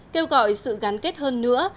kêu gọi sự gắn kết hơn nữa